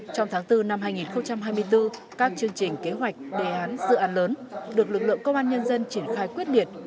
trong tháng bốn năm hai nghìn hai mươi bốn các chương trình kế hoạch đề án dự án lớn được lực lượng công an nhân dân triển khai quyết liệt